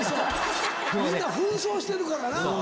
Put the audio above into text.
みんな扮装してるからな。